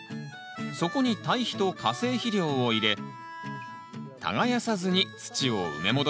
底に堆肥と化成肥料を入れ耕さずに土を埋め戻します。